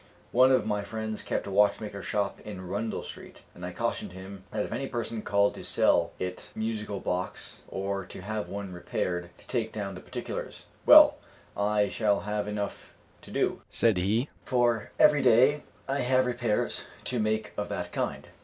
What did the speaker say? One of my friends kept a watchmakers shop in Rundle street, and I cautioned him that if any person called to sell a musical box, or to have one repaired, to take down the particulars, "Well, I shall have enough to do," said he; "for every day I have repairs to make of that kind."